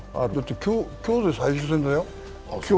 今日で最終戦だよ。